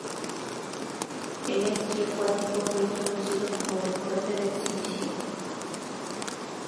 El esquí acuático fue introducido como deporte de exhibición.